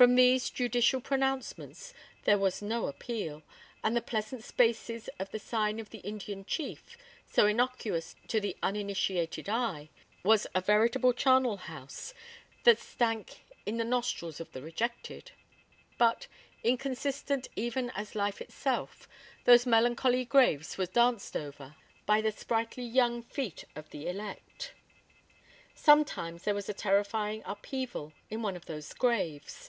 From these judicial pronouncements there was no appeal, and the pleasant spaces of the Sign of the Indian Chief, so innocuous to the uninitiated eye, was a veritable charnel house that stank in the nostrils of the rejected; but, inconsistent even as life itself, those melancholy graves were danced over by the sprightly young feet of the elect. Sometimes there was a terrifying upheaval in one of those graves.